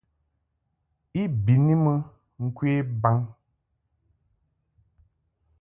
I bɨni mɨ ŋkwe baŋ.